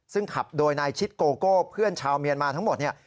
ซึ่งขับโดยนายชิดโกโก้เพื่อนชาวเมียนมาทั้งหมดเนี่ย